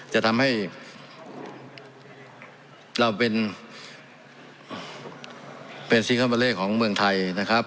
จะทำให้เราเป็นเป็นซีเกิ้ลเบอร์เลขของเมืองไทย